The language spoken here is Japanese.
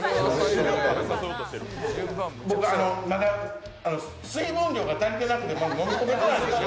僕まだ水分量が足りてなくて飲み込めてないんですよ。